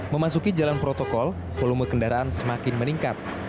memasuki jalan protokol volume kendaraan semakin meningkat